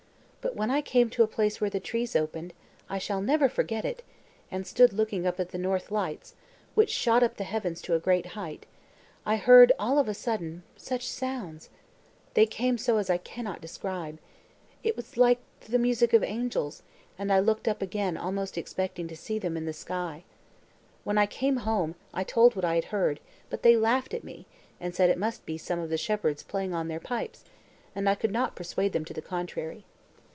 But, when I came to a place where the trees opened, (I shall never forget it!) and stood looking up at the north lights, which shot up the heaven to a great height, I heard all of a sudden such sounds!—they came so as I cannot describe. It was like the music of angels, and I looked up again almost expecting to see them in the sky. When I came home, I told what I had heard, but they laughed at me, and said it must be some of the shepherds playing on their pipes, and I could not persuade them to the contrary.